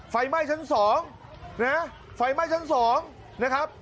ไฟไหม้ชั้น๒นะไฟไหม้ชั้น๒นะครับ